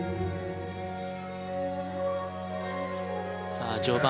さあ序盤